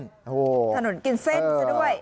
ถนนกินเส้นใช่ด้วย